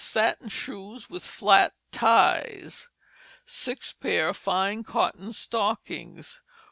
Satin Shoes with flat ties. 6 p. Fine Cotton Stockings.